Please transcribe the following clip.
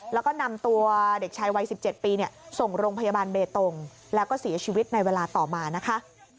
แล้วก็นำตัวเด็กชายวัย๑๗ปีส่งโรงพยาบาลเบตงแล้วก็เสียชีวิตในเวลาต่อมานะคะ